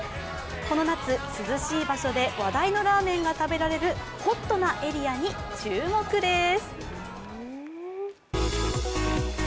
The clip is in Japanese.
この夏、涼しい場所で話題のラーメンが食べられるホットなエリアに注目です。